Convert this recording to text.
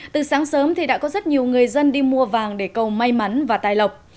từ sáng sớm thì đã có rất nhiều người dân đi mua vàng để cầu may mắn và tài lộc